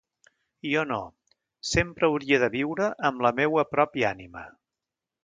Jo no, sempre hauria de viure amb la meua pròpia ànima.